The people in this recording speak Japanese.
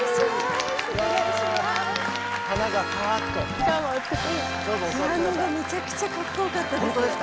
ピアノがめちゃくちゃかっこよかったです。